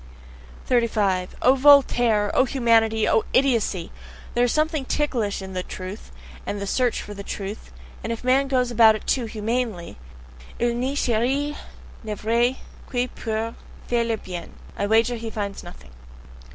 35. O Voltaire! O humanity! O idiocy! There is something ticklish in "the truth," and in the SEARCH for the truth; and if man goes about it too humanely "il ne cherche le vrai que pour faire le bien" I wager he finds nothing!